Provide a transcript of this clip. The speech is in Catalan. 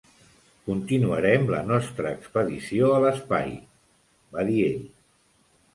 "Continuarem la nostra expedició a l'espai", va dir ell.